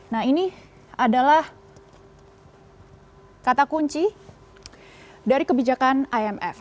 nah ini adalah kata kunci dari kebijakan imf